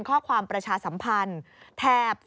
ข้อความประชาสัมพันธ์